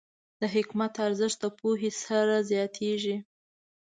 د حکمت ارزښت د پوهې سره زیاتېږي.